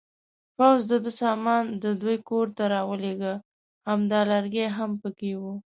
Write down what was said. پوځ د ده سامان د دوی کورنۍ ته راولېږه، همدا لرګی هم پکې و.